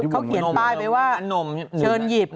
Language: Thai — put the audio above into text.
เขาเขียนป้ายไปว่าหนุ่มเชิญหยิบ